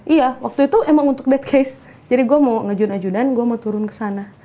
iya waktu itu emang untuk that case jadi gue mau ngejurn ajudan gue mau turun kesana